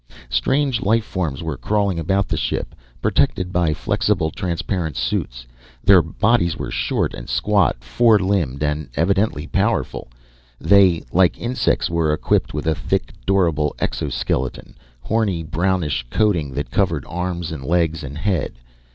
Strange life forms were crawling about the ship, protected by flexible, transparent suits. Their bodies were short, and squat, four limbed and evidently powerful. They, like insects, were equipped with a thick, durable exoskeleton, horny, brownish coating that covered arms and legs and head.